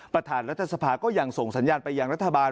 ประธานรัฐสภาก็ยังส่งสัญญาณไปยังรัฐบาล